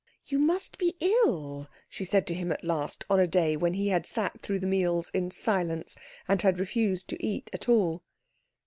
"You must be ill," she said to him at last, on a day when he had sat through the meals in silence and had refused to eat at all.